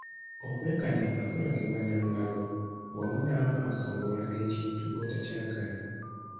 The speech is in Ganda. Okwekanasa kulagibwa na ngalo wamu n'amaaso ng'olaga ekintu bwotakyagala.